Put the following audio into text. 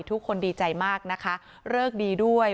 ทุกคนดีใจมากนะคะเลิกดีด้วย